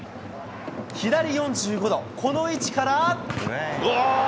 左４５度、この位置から。